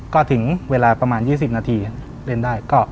ก็ถึงเวลาประมาณ๒๐นาทีเล่นได้